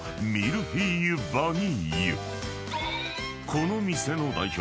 ［この店の代表